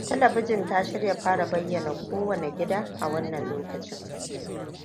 Talabijin ta shirya fara bayyana ko wane gida a wannan lokacin.